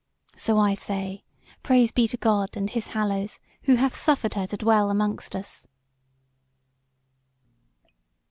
So I say, praise be to God and His Hallows who hath suffered her to dwell amongst us!"